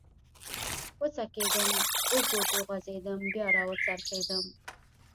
و څکېدم، اوږد وغځېدم، بیا را و څرخېدم.